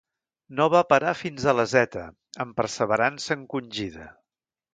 No va parar fins a la Zeta, amb perseverança encongida.